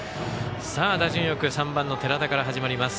打順よく３番の寺田から始まります。